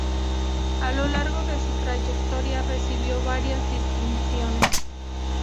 A lo largo de su trayectoria recibió varias distinciones.